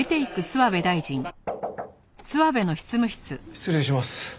失礼します。